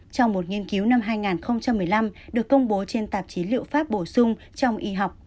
trong một nghiên cứu năm hai nghìn một mươi năm được công bố trên tạp chí liệu pháp bổ sung trong y học